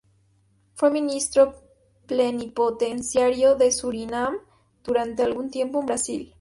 Fue Ministro Plenipotenciario de Surinam durante algún tiempo en Brasil.